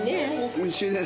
おいしいね。